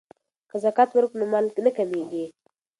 که زکات ورکړو نو مال نه کمیږي.